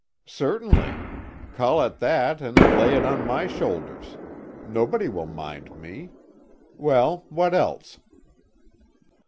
"Certainly. Call it that and lay it on my shoulders. Nobody will mind me. Well, what else?"